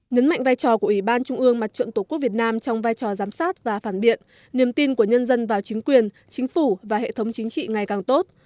nhấn mạnh vai trò của ủy ban trung ương mặt trận tổ quốc việt nam trong vai trò giám sát và phản biện niềm tin của nhân dân vào chính quyền chính phủ và hệ thống chính trị ngày càng tốt